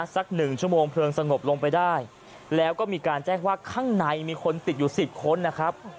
สักหนึ่งชั่วโมงเพลิงสงบลงไปได้แล้วก็มีการแจ้งว่าข้างในมีคนติดอยู่สิบคนนะครับ